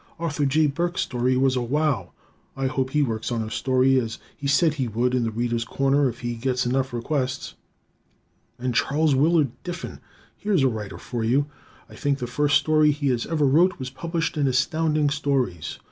Arthur J. Burks' story was a wow. I hope he works on a story as he said he would in "The Readers' Corner" if he gets enough requests. And Charles Willard Diffin! Here's a writer for you. I think the first story he ever wrote was published in Astounding Stories.